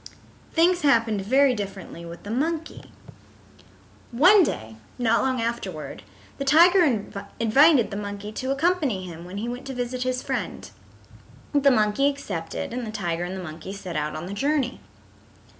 Things happened very differently with the monkey. One day not long afterward the tiger invited the monkey to accompany him when he went to visit his friend. The monkey accepted, and the tiger and the monkey set out on the journey.